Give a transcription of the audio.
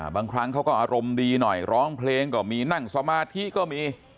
บางครั้งเขาก็อารมณ์ดีหน่อยร้องเพลงก็มีนั่งสมาธิก็มี